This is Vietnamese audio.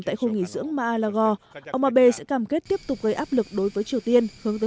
tại khu nghỉ dưỡng marlago ông abe sẽ cam kết tiếp tục gây áp lực đối với triều tiên hướng tới